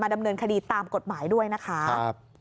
ดำเนินคดีตามกฎหมายด้วยนะคะ